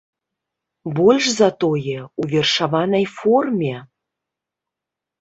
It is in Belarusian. Больш за тое, у вершаванай форме!